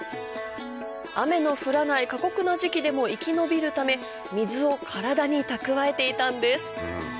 雨の降らない過酷な時期でも生き延びるため水を体に蓄えていたんです